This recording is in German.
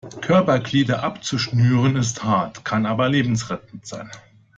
Körperglieder abzuschnüren ist hart, kann aber lebensrettend sein.